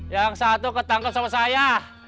yang satu ketangkep sama saya